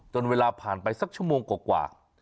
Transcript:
เวลาผ่านไปสักชั่วโมงกว่า